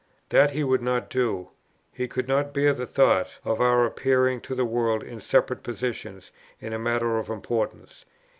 That he would not do; he could not bear the thought of our appearing to the world in separate positions, in a matter of importance.